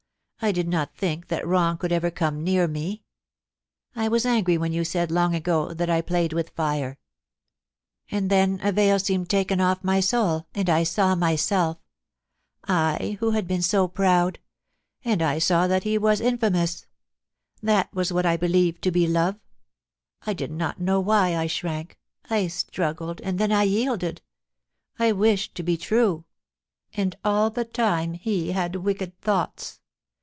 I did not think that wrong could ever come near me. .... I was angry when you said, loi^ ago, that I played with lir& ... And then a vol 356 POLICY AND PASSION. seemed taken off my soul, and I saw myself — I, who had been so proud — and I saw that he was infiimous. .., Thai was what I believed to be love. I did not know why I shrank— I struggled, and then I yielded ; I wished to be true. ... And all the time he had wicked thoughts.